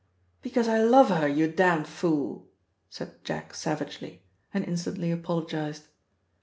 "Because I love her, you damned fool!" said Jack savagely, and instantly apologised.